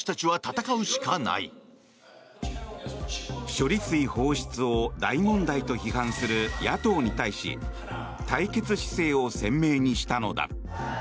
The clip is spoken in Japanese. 処理水放出を大問題と批判する野党に対し対決姿勢を鮮明にしたのだ。